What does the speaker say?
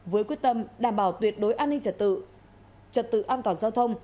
với quyết tâm đảm bảo tuyệt đối an ninh trật tự trật tự an toàn giao thông